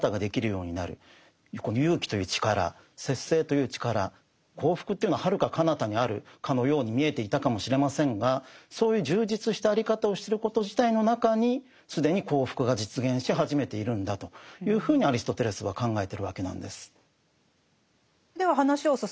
そうですね幸福というのははるかかなたにあるかのように見えていたかもしれませんがそういう充実したあり方をしてること自体の中に既に幸福が実現し始めているんだというふうにアリストテレスは考えてるわけなんです。